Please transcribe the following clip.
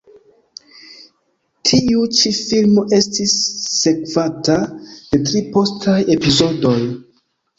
Tiu ĉi filmo estis sekvata de tri postaj epizodoj.